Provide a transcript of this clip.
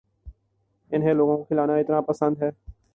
انھیں لوگوں کو کھلانا اتنا پسند ہے